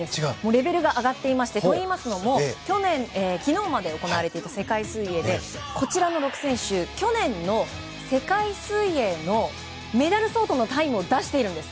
レベルが上がっていましてといいますのも去年まで行われていた世界水泳でこちらの６選手去年の世界水泳のメダル相当のタイムを出しているんです。